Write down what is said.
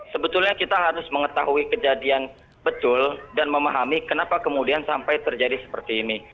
sebetulnya kita harus mengetahui kejadian betul dan memahami kenapa kemudian sampai terjadi seperti ini